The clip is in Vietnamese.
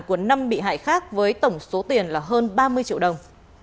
của năm bị hại khác với tổng số tiền là hơn ba mươi triệu đồng